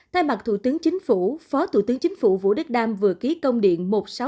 thay mặt thủ tướng chính phủ phó thủ tướng chính phủ vũ đức đam vừa ký công điện một nghìn sáu trăm sáu mươi hai